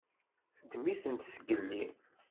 Teddem-itent zgelli.